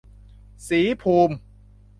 ศรีภูมิ